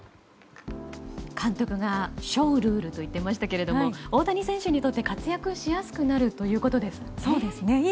監督がショウルールと言っていましたが大谷選手にとって活躍しやすくなるということですね。